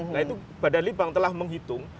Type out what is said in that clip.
nah itu badalibang telah menghitung